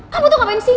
kamu tuh ngapain sih